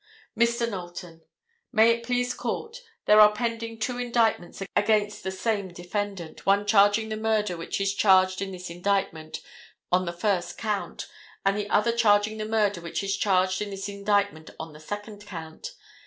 Mr. Knowlton—May it please the court. There are pending two indictments against the same defendant, one charging the murder which is charged in this indictment on the first count, and the other charging the murder which is charged in this indictment on the second count.